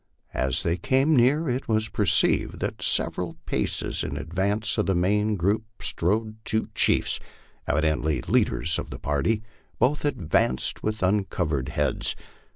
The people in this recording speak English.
As they came near, it was perceived that several paces in advance of the main group strode two chiefs, evidently leaders of the party ; both advanced with uncovered heads.